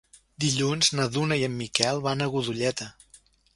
Dilluns na Duna i en Miquel van a Godelleta.